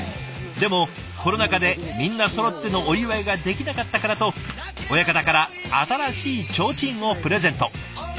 でもコロナ禍でみんなそろってのお祝いができなかったからと親方から新しい提灯をプレゼント。